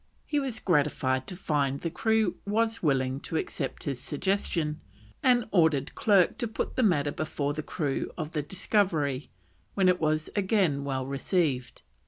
He was gratified to find the crew was willing to accept his suggestion, and ordered Clerke to put the matter before the crew of the Discovery, when it was again well received.